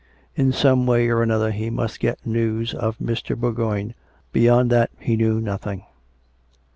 In some way or another he must get news of Mr. Bourgoign. Beyond that he knew nothing.